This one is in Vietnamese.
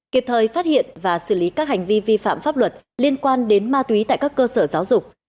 kịp thời phát hiện và xử lý các hành vi vi phạm pháp luật liên quan đến ma túy tại các cơ sở giáo dục